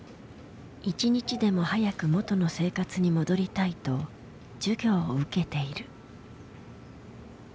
１日でも早く元の生活に戻りたいと授業を受けている。